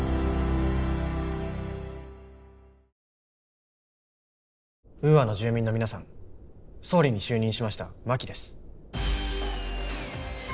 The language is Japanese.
ウーアの住民の皆さん総理に就任しました真木です。